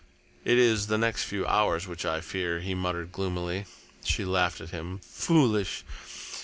"It is the next few hours which I fear," he muttered gloomily. She laughed at him. "Foolish!